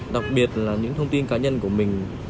đặc biệt là những thông tin cá nhân của mình